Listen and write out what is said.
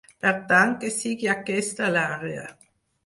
Per tant, que sigui aquesta l’àrea.